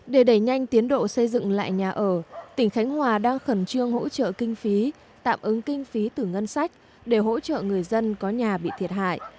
để đẩy nhanh tiến độ xây dựng lại nhà ở tỉnh khánh hòa đang khẩn trương hỗ trợ kinh phí tạm ứng kinh phí từ ngân sách để hỗ trợ người dân có nhà bị thiệt hại